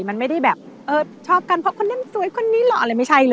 ไม่ได้เข้าใจแบบชอบกันเพราะคนนี้มันกวนสวย